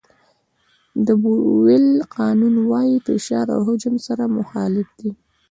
د بویل قانون وایي فشار او حجم سره مخالف دي.